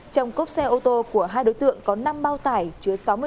trong cốp xe ô tô của hai đối tượng có năm bao tải chứa sóng